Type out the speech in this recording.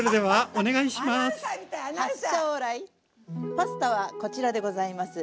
パスタはこちらでございます。